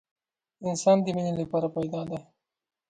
انسانان د مینې لپاره پیدا دي